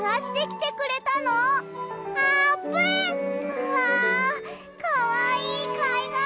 うわあかわいいかいがら！